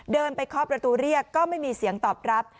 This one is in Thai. เดินไปเคาะประตูเรียกก็ไม่มีเสียงตอบรับ